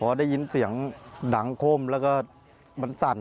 พอได้ยินเสียงดังคมแล้วก็มันสั่น